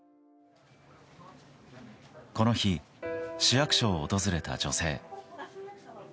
この日、市役所を訪れた女性。